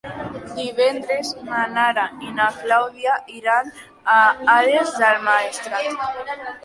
Divendres na Nara i na Clàudia iran a Ares del Maestrat.